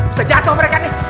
udah jatuh mereka nih